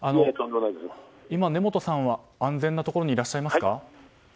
今、根本さんは安全なところにいらっしゃいますか？